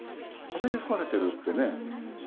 風に吹かれてるってね。